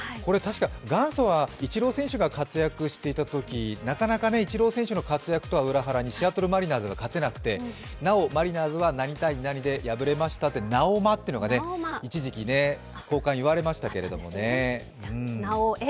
元祖はイチロー選手が活躍していたときなかなかイチロー選手の活躍とは裏腹にシアトル・マリナーズが勝てなくてなおマリナーズは何対何で破れましたとなおマというのが一時期、巷間言われましたけどね。